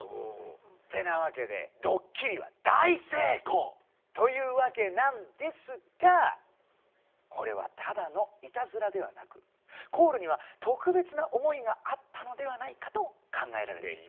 ってなわけでドッキリは大成功！というわけなんですがこれはただのイタズラではなくコールには特別な思いがあったのではないかと考えられています。